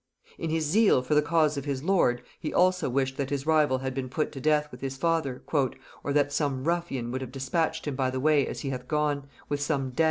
In his zeal for the cause of his lord, he also wished that his rival had been put to death with his father, "or that some ruffian would have dispatched him by the way as he hath gone, with some dag (pistol) or gun."